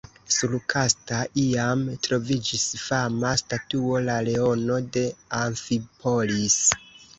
Sur Kasta iam troviĝis fama statuo “La leono de Amfipolis”.